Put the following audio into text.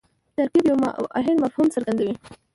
ترکیب یو واحد مفهوم څرګندوي.